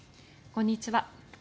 こんにちは。